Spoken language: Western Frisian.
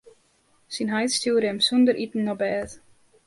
Syn heit stjoerde him sûnder iten op bêd.